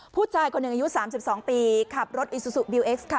ผู้ชายคนอายุสามสิบสองปีขับรถอีซูซูบิลเอ็กซ์ค่ะ